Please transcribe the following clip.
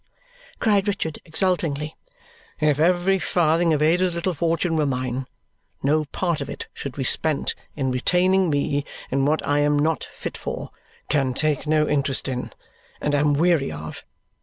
cried Richard exultingly. "If every farthing of Ada's little fortune were mine, no part of it should be spent in retaining me in what I am not fit for, can take no interest in, and am weary of.